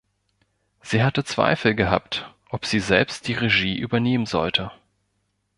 Sie hatte Zweifel gehabt, ob sie selbst die Regie übernehmen sollte.